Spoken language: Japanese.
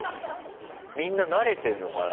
みんな慣れてんのかな？